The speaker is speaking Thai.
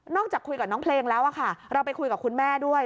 จากคุยกับน้องเพลงแล้วค่ะเราไปคุยกับคุณแม่ด้วย